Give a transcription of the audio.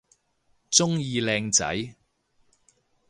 鍾意靚仔